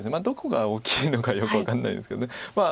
どこが大きいのかよく分かんないんですけど。